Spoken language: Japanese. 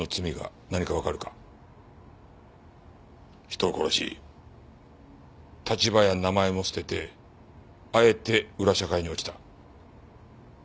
人を殺し立場や名前も捨ててあえて裏社会に落ちた。